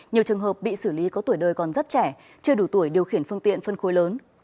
nhiều trường hợp bị xử lý có tuổi đời còn rất trẻ chưa đủ tuổi điều khiển phương tiện phân khối lớn